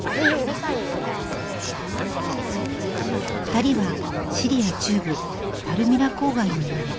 ２人はシリア中部パルミラ郊外の生まれ。